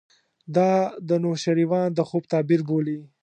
دا د نوشیروان د خوب تعبیر بولي.